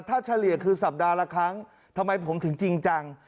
ถ้าเฉลี่ยคือสัปดาห์ละครั้งทำไมผมถึงจริงจัง